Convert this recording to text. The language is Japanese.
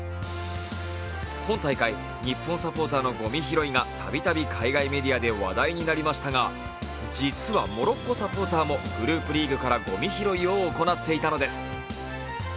今大会、日本サポーターのごみ拾いが度々海外メディアで話題になりましたが、実はモロッコサポーターもグループリーグからごみ拾いを行っていたのです。